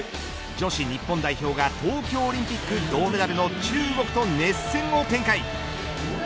女子日本代表が東京オリンピック銅メダルの中国と熱戦を展開。